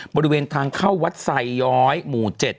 บริเวณทางเข้าวัดไซย้อยหมู่๗